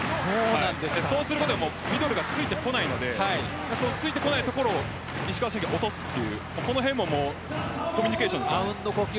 そうすることでミドルがついてこないのでそのついてこないところを石川さんが落とすというこの辺のコミュニケーションですよね。